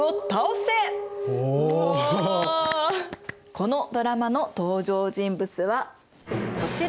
このドラマの登場人物はこちら。